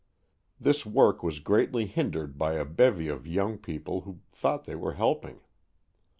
This work was greatly hindered by a bevy of young people who thought they were helping.